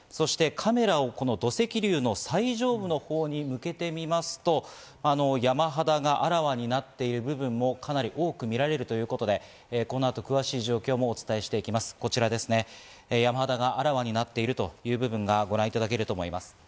カメラを土石流の最上部のほうに向けてみますと、山肌があらわになってる部分もかなり多く見られるということでこの後、詳しい状況もお伝えしていきます。